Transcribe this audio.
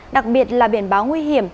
đặc biệt là biển báo nguy hiểm